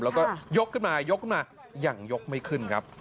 แล้วก็ยกขึ้นมายกขึ้นมายังยกไม่ขึ้นครับ